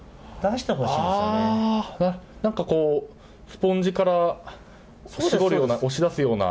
スポンジから絞るような、押し出すような。